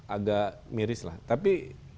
agak miris lah tapi